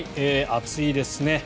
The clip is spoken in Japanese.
暑いですね。